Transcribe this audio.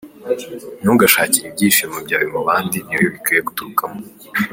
Ntugashakire ibyishimo byawe mu bandi, ni wowe bikwiye guturukamo.